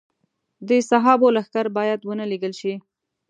د صحابو لښکر باید ونه لېږل شي.